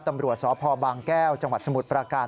ตำรวจสพบางแก้วจังหวัดสมุทรประการ